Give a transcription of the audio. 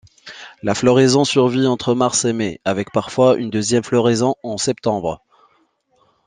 La floraison survient entre mars et mai, avec parfois une deuxième floraison en septembre.